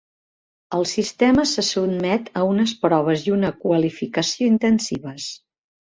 El sistema se sotmet a unes proves i una qualificació intensives.